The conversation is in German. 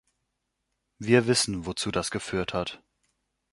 Wir wissen, wozu das geführt hat.